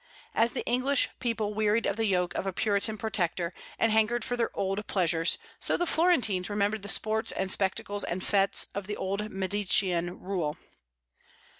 As the English people wearied of the yoke of a Puritan Protector, and hankered for their old pleasures, so the Florentines remembered the sports and spectacles and fêtes of the old Medicean rule.